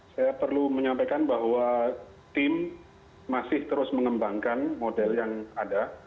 saya perlu menyampaikan bahwa tim masih terus mengembangkan model yang ada